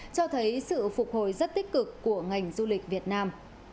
cho thấy sự phục hồi rất tích cực của ngành du lịch việt nam